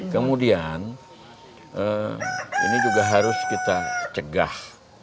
kemudian ini juga harus kita cegah